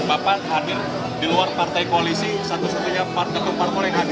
bapak hadir di luar partai koalisi satu satunya partai keempat keempat yang hadir